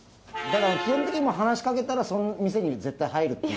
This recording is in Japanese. だから基本的に話し掛けたらその店に絶対入る。